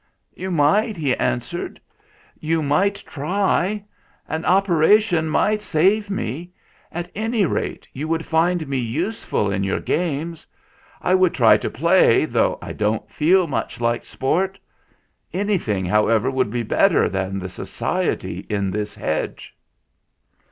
"You might," he answered. "You might try. An operation might save me. At any rate, you would find me useful in your games. I would try to play, though I don't feel much like sport. Anything, however, would be bet ter than the society in this hedge."